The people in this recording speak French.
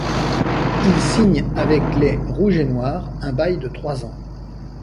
Il signe avec les rouge et noir, un bail de trois ans.